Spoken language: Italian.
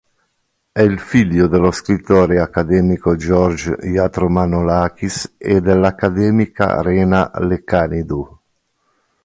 È il figlio dello scrittore e accademico George Yatromanolakis e dell'accademica Rena Lekanidou.